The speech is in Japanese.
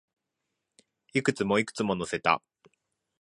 いくつも、いくつも乗せた